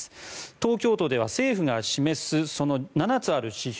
東京都では政府が示す７つある指標